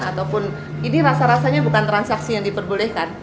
ataupun ini rasa rasanya bukan transaksi yang diperbolehkan